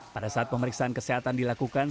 pada saat pemeriksaan kesehatan dilakukan